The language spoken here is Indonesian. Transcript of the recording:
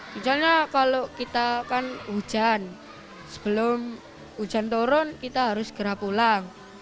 misalnya kalau kita kan hujan sebelum hujan turun kita harus segera pulang